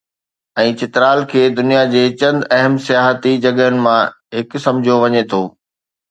۽ چترال کي دنيا جي چند اهم سياحتي جڳهن مان هڪ سمجهيو وڃي ٿو.